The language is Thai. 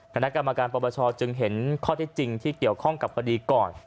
คณะกรรมการปปชจึงเห็นข้อเท็จจริงที่เกี่ยวข้องกับคดีก่อน